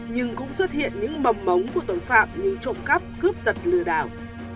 nhưng cũng xuất hiện những mầm mống của tội phạm như trộm cắp cướp giật lừa đảo